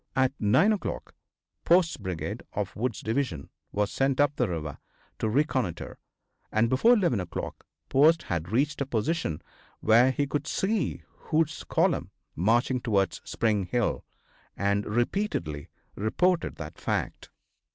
At 9 o'clock Post's brigade, of Wood's division, was sent up the river to reconnoiter, and before 11 o'clock Post had reached a position where he could see Hood's column marching towards Spring Hill, and repeatedly reported that fact.